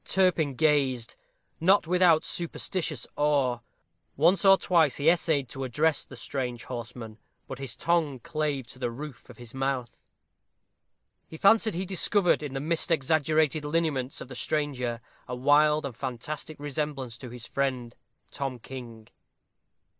Turpin gazed, not without superstitious awe. Once or twice he essayed to address the strange horseman, but his tongue clave to the roof of his mouth. He fancied he discovered in the mist exaggerated lineaments of the stranger a wild and fantastic resemblance to his friend Tom King.